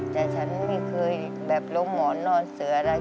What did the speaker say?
แต่ฉันไม่เคยแบบลงหมอนนอนเสืออะไร